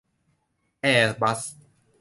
แอร์บัส